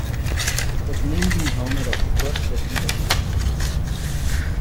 It was named in honor of the first president of the institution.